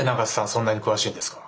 そんなに詳しいんですか？